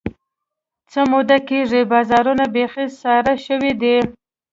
څه موده کېږي، بازارونه بیخي ساړه شوي دي.